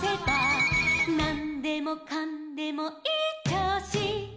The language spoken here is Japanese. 「なんでもかんでもいいちょうし」